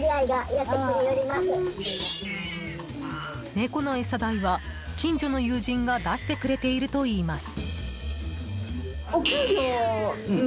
猫の餌代は、近所の友人が出してくれているといいます。